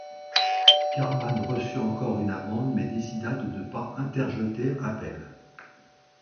Karsman reçut encore une amende mais décida de ne pas interjeter appel.